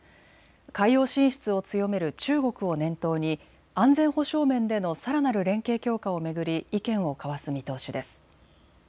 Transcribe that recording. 海洋進出を強める中国を念頭に安全保障面でのさらなる連携強化を巡り意見を交わす見通しです。